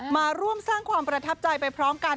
มาร่วมสร้างความประทับใจไปพร้อมกัน